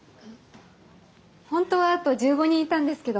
本当はあと１５人いたんですけど。